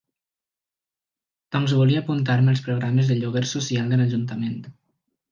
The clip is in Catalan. Doncs volia apuntar-me als programes de lloguer social de l'ajuntament.